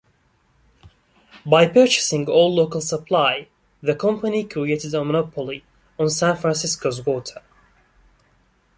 By purchasing all local supply, the company created a monopoly on San Francisco's water.